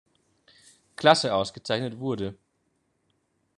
Klasse ausgezeichnet wurde.